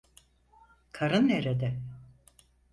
Karın nerede?